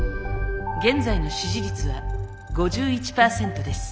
現在の支持率は５１％です。